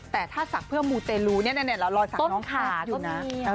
แต่ถ้าศักดิ์เพื่อมูเตลูเนี่ยแล้วรอยสักน้องขาอยู่นะ